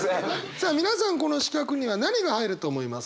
さあ皆さんこの四角には何が入ると思いますか？